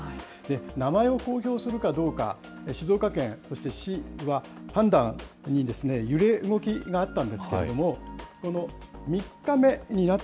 名前を公表するかどうか、静岡県、そして市は判断に揺れ動きがあったんですけれども、３日目になっ